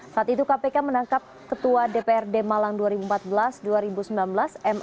saat itu kpk menangkap ketua dprd malang dua ribu empat belas dua ribu sembilan belas